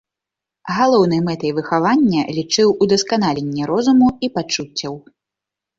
Галоўнай мэтай выхавання лічыў ўдасканаленне розуму і пачуццяў.